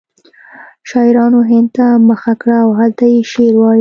شاعرانو هند ته مخه کړه او هلته یې شعر وایه